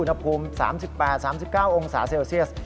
อุณหภูมิ๓๘๓๙องศาเซลเซียส